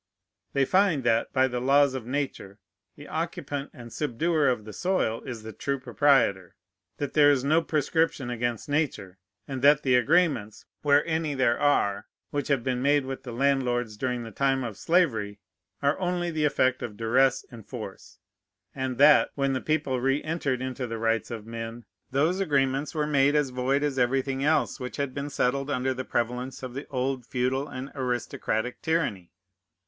They find, that, by the laws of Nature, the occupant and subduer of the soil is the true proprietor, that there is no prescription against Nature, and that the agreements (where any there are) which have been made with the landlords during the time of slavery are only the effect of duresse and force, and that, when the people reëntered into the rights of men, those agreements were made as void as everything else which had been settled under the prevalence of the old feudal and aristocratic tyranny.